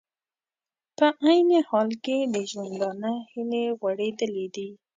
په عین حال کې د ژوندانه هیلې غوړېدلې دي